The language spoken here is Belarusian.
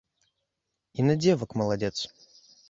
І на дзевак маладзец.